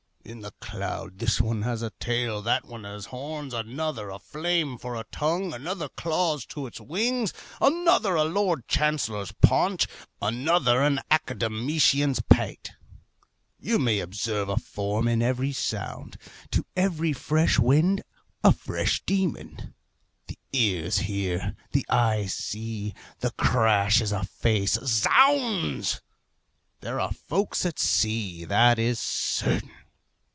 In the cloud this one has a tail, that one has horns, another a flame for a tongue, another claws to its wings, another a lord chancellor's paunch, another an academician's pate. You may observe a form in every sound. To every fresh wind a fresh demon. The ear hears, the eye sees, the crash is a face. Zounds! There are folks at sea that is certain.